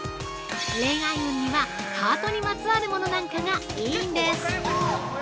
恋愛運には、ハートにまつわるものなんかがいいんです。